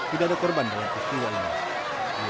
tidak ada korban dalam kesihatan masjid